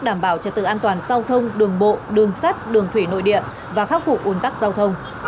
đảm bảo trật tự an toàn giao thông đường bộ đường sắt đường thủy nội địa và khắc phục ồn tắc giao thông